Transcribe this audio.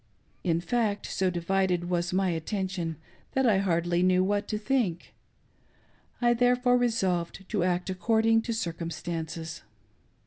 In fact, so divided was my attention that I hardly knew what to think ; I therefore resolved to act according to circumstances.